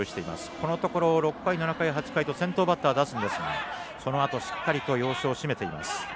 このところ、６回、７回、８回と先頭バッター出すんですがそのあと、しっかりと要所を締めています。